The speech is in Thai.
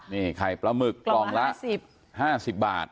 นี่ไข่ปลาหมึกกล่องละ๑๐๕๐บาท